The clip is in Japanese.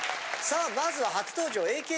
さあまずは初登場